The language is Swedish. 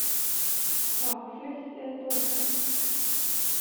Takfläkt är ett måste!